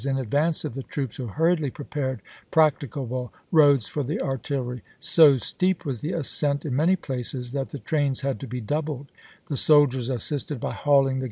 314. 72 ABRAHAM LINCOLN CHAP. III. advance of the troops, who hurriedly prepared practicable roads for the artillery. So steep was the ascent in many places that the trains had to be doubled; the soldiers assisted by hauling the 1863.